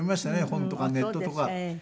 本とかネットとか。